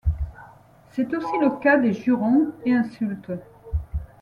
C'est aussi le cas des jurons et insultes.